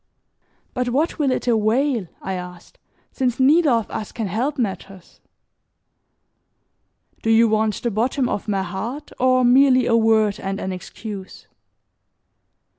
"But what will it avail," I asked, "since neither of us can help matters? Do you want the bottom of my heart or merely a word and an excuse?"